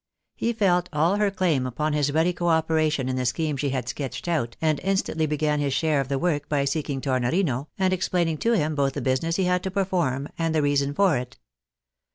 He felt all her claim upon his ready co operation in the scheme she had sketched out, and instantly began his share of the work by seeking Tornorino, and explaining to him both the business he had to perform, and the reason for it.